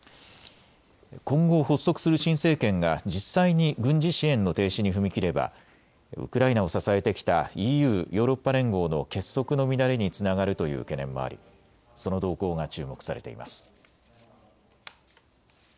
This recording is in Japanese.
今後、発足する新政権が実際に軍事支援の停止に踏み切ればウクライナを支えてきたＥＵ・ヨーロッパ連合の結束の乱れにつながるという懸念もありその動向が注目されています。